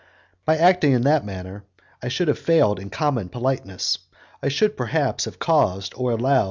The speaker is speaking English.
By acting in that manner I should have failed in common politeness, I should perhaps have caused or allowed M.